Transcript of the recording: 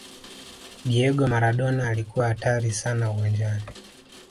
diego maradona alikuwa hatari sana uwanjani